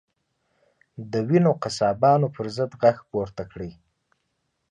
د وینو قصابانو پر ضد غږ پورته کړئ.